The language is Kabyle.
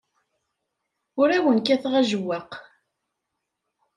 Ur awen-kkateɣ ajewwaq.